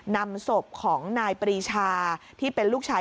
นำศพของนายปรีชาที่เป็นลูกชาย